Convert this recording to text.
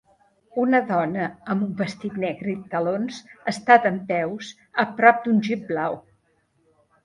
Una dona amb un vestit negre i talons està dempeus a prop d'un Jeep blau.